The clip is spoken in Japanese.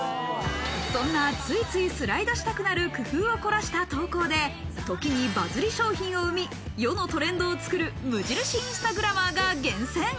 そんな、ついついスライドしたくなる工夫を凝らした投稿で、時にバズり商品を生み、世のトレンドを作る無印インスタグラマーが厳選。